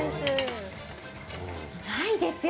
ないですよ。